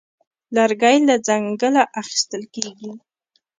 لرګی له ځنګله اخیستل کېږي.